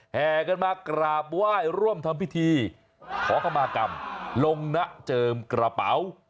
แห่กันมากราบไหว้ร่วมทำพิธีขอขมากรรมลงนะเจิมกระเป๋า